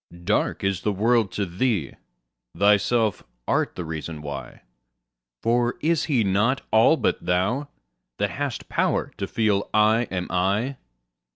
Dark is the world to thee: thyself art the reason why; For is He not all but thou, that hast power to feel 'I am I'?